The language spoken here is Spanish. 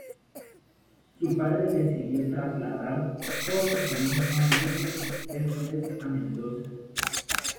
Su padre decidió trasladar toda su familia nuevamente, esta vez a Mendoza.